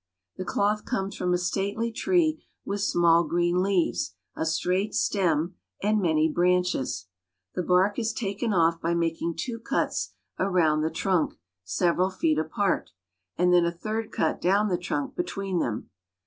The cloth comes from a stately tree with small green leaves, a straight stem, and many branches. The bark is taken off by making two cuts around the trunk, several feet apart, and then a third cut down the trunk between them.